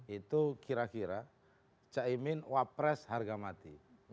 itu kira kira cak imin wapres harga mati